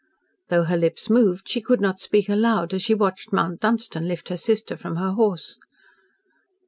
Though her lips moved, she could not speak aloud, as she watched Mount Dunstan lift her sister from her horse.